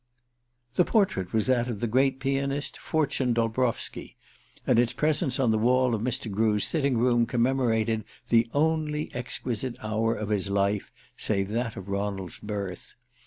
The portrait was that of the great pianist, Fortune Dolbrowski; and its presence on the wall of Mr. Grew's sitting room commemorated the only exquisite hour of his life save that of Ronald's birth.